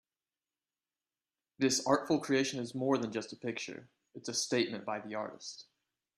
This artful creation is more than just a picture, it's a statement by the artist.